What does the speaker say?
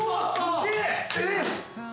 えっ！